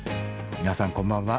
皆さんこんばんは。